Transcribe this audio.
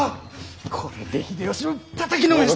これで秀吉をたたきのめして。